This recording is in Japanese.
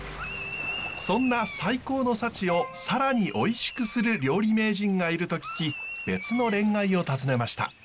そんな最高の幸を更においしくする料理名人がいると聞き別のれんがいを訪ねました。